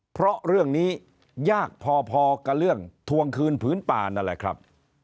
เพราะเรื่องนี้ยากพอกับเรื่องทวงคืนผืนป่านั่นแหละครับ